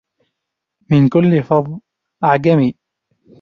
من كل فظ أعجمي